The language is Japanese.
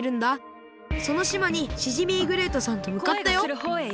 そのしまにシジミ―グレイトさんとむかったよ。